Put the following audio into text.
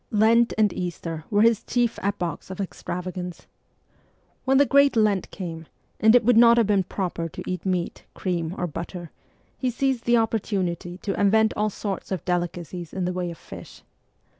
Lent and Easter were his chief epochs of extrava gance. When the Great Lent came, and it would not have been proper to eat meat, cream, or butter, he seized the opportunity to invent all sorts of delicacies in the way of fish.